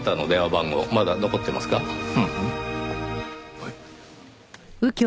はい。